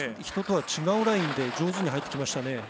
人とは違うラインで上手に入ってきましたね。